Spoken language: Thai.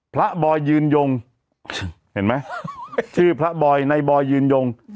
บอยยืนยงเห็นไหมชื่อพระบอยในบอยยืนยง